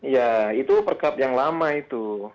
ya itu perkab yang lama itu